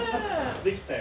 できたよ。